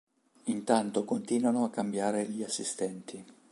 Intanto continuano a cambiare gli assistenti.